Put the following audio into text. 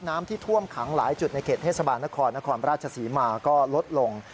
น้ำที่ท่วมขังหลายจุดในเขตเทศบาลนครนครราชศรีมาก็ลดลง